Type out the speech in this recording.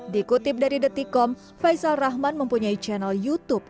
dikutip dari detik com faisal rahman mempunyai channel youtube